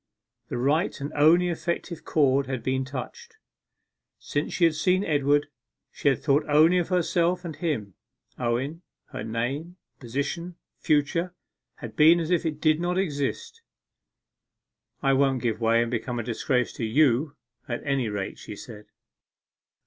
The right and only effective chord had been touched. Since she had seen Edward, she had thought only of herself and him. Owen her name position future had been as if they did not exist. 'I won't give way and become a disgrace to you, at any rate,' she said.